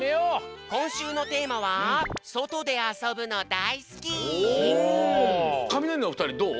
こんしゅうのテーマはカミナリのふたりどう？